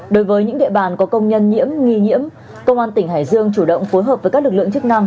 đối với những địa bàn có công nhân nhiễm nghi nhiễm công an tỉnh hải dương chủ động phối hợp với các lực lượng chức năng